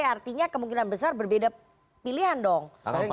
artinya kemungkinan besar berbeda pilihan dong